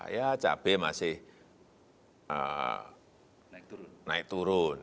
ya cabai masih naik turun